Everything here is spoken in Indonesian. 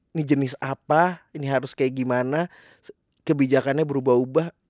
ini jenis apa ini harus kayak gimana kebijakannya berubah ubah